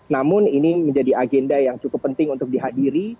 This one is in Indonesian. namun ini menjadi agenda yang cukup penting untuk dihadiri